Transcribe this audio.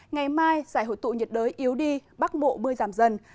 ngày mai giải hội tụ nhiệt đới yếu đi bắc bộ mưa giảm dần